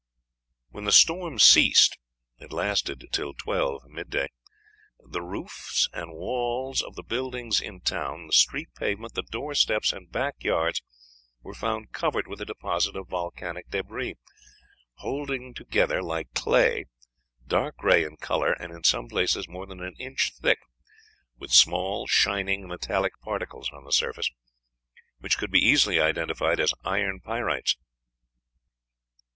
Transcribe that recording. When the storm ceased it lasted till twelve, mid day the roofs and walls of the buildings in town, the street pavement, the door steps and back yards were found covered with a deposit of volcanic débris, holding together like clay, dark gray in color, and in some places more than an inch thick, with small, shining metallic particles on the surface, which could be easily identified as iron pyrites.